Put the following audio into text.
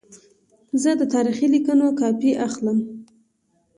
زه د تاریخي لیکونو کاپي اخلم.